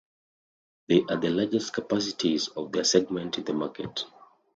They are the largest capacities of their segment in the market.